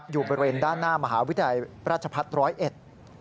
อยู่บริเวณด้านหน้ามหาวิทยาลัยราชภัฐ๑๐๑